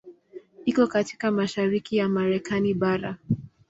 Iko katika mashariki ya Marekani bara.